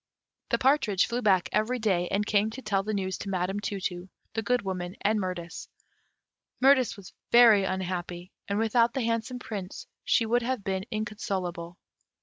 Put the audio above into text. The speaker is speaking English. The partridge flew back every day, and came to tell the news to Madame Tu tu, the Good Woman, and Mirtis. Mirtis was very unhappy, and without the handsome Prince she would have been inconsolable.